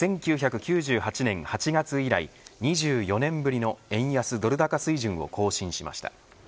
１９９８年８月以来２４年ぶりの円安ドル高水準を更新しました。